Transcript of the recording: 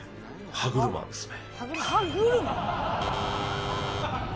歯車ですね。